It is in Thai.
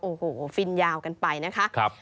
โอ้โหฟินยาวกันไปนะคะ